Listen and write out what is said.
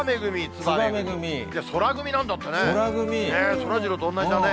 そらジローと同じだね。